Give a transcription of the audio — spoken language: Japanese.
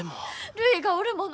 るいがおるもの。